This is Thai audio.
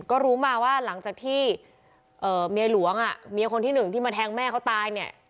ก็รู้มาว่าหลังจากที่เมียหลวงเมียคนที่หนึ่งที่มาแทงแม่เขาตายเนี่ย